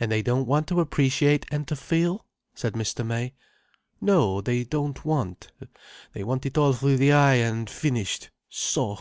"And they don't want to appreciate and to feel?" said Mr. May. "No. They don't want. They want it all through the eye, and finished—so!